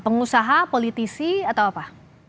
pengusaha politisi atau apa